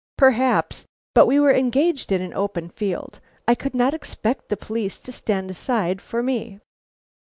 "Perhaps; but we were engaged in an open field. I could not expect the police to stand aside for me."